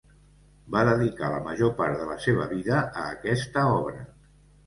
Va dedicar la major part de la seva vida a aquesta obra.